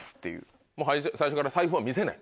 最初から財布は見せない。